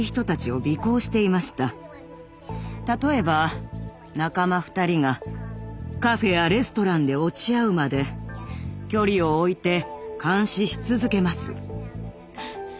例えば仲間２人がカフェやレストランで落ち合うまで距離を置いて監視し続けます。